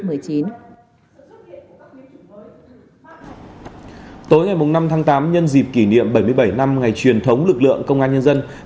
tối ngày năm tháng tám nhân dịp kỷ niệm bảy mươi bảy năm ngày truyền thống lực lượng công an nhân dân